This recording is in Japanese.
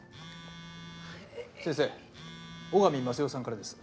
先生尾上益代さんからです。